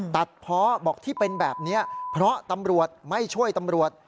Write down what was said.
เพาะบอกที่เป็นแบบนี้เพราะตำรวจไม่ช่วยตำรวจ